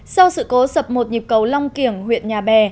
sau sự cố sập một nhịp cầu long kiểng huyện nhà bè